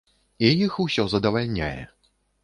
І іх усё задавальняе.